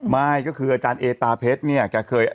ไม่ก็คืออาจารย์เอตาเพชย์อย่างเนีย